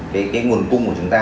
cái nguồn cung của chúng ta